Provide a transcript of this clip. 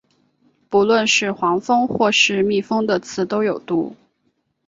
不论是黄蜂或是蜜蜂的刺都有毒。